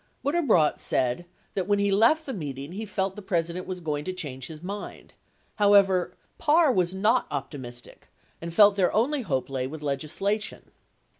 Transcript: Butterbrodt said that when he left the meeting he felt the President was going to change his mind. 1 However, Parr was not optimistic and felt their only hope lay with legislation.